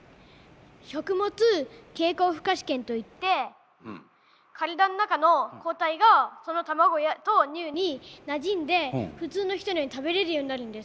食物経口負荷試験と言って体の中の抗体がその卵と乳になじんで普通の人のように食べれるようになるんです。